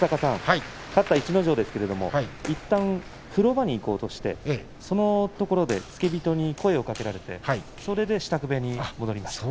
勝った逸ノ城ですがいったん風呂場に行こうとしてそこで付け人に声をかけられてそれで支度部屋に戻りました。